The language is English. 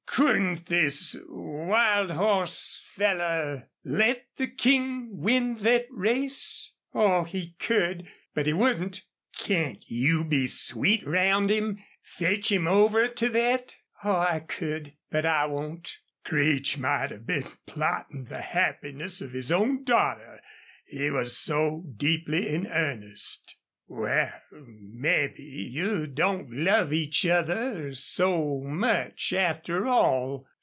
"Couldn't this wild horse feller LET the King win thet race?" "Oh, he could, but he wouldn't." "Can't you be sweet round him fetch him over to thet?" "Oh, I could, but I won't." Creech might have been plotting the happiness of his own daughter, he was so deeply in earnest. "Wal, mebbe you don't love each other so much, after all....